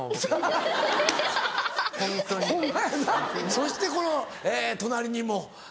そしてこの隣にも。